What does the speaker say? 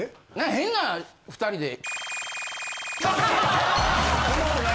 変な２人で。